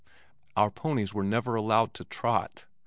Our ponies were never allowed to trot.